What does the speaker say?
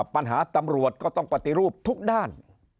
ปัญหาตำรวจก็ต้องปฏิรูปทุกด้าน